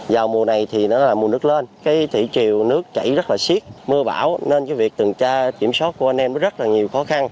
vào mùa này thì nó là mùa nước lên cái thủy triều nước chảy rất là siết mưa bão nên cái việc tuần tra kiểm soát của anh em nó rất là nhiều khó khăn